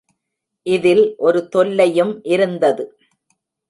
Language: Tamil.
இதில் ஒரு தொல்லையும் இருந்தது.